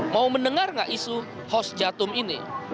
mau mendengar nggak isu hosjatum ini